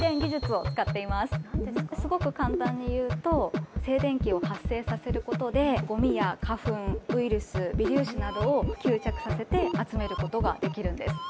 すごく簡単にいうと、静電気を発生させることでゴミや花粉、ウイルス、微粒子などを吸着させて集めることができるんです。